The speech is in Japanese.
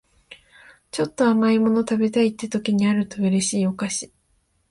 ちょっと甘い物食べたいって時にあると嬉しいお菓子